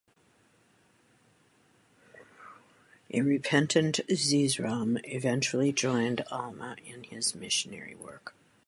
A repentant Zeezrom eventually joined Alma in his missionary work.